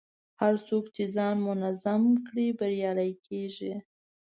هر څوک چې ځان منظم کړي، بریالی کېږي.